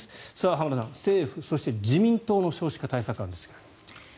浜田さん、政府そして自民党の少子化対策案ですが。